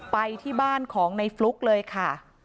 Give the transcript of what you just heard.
ไปที่บ้านของในฟลุ๊กเลยค่ะ